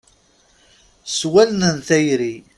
S wallen n tayri.